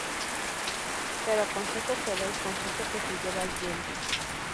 Pero consejo que doy, consejo que se lleva el viento.